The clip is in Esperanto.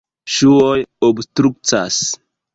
Ŝuoj obstrukcas.